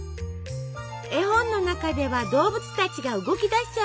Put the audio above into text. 絵本の中では動物たちが動きだしちゃうのよ！